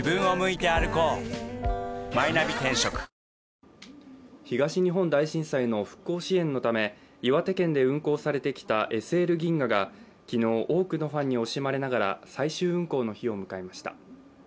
続く東日本大震災の復興支援のため岩手県で運行されてきたＳＬ銀河が昨日、多くのファンに惜しまれながら最終運行の日を迎えました。